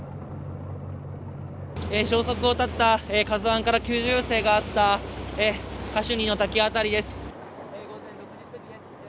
消息を絶ったカズワンから救助要請があった、カシュニの滝辺りです。